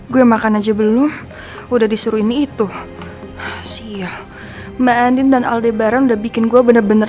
gue makan aja belum udah disuruh ini itu siap mbak andin dan alde bareng udah bikin gue bener bener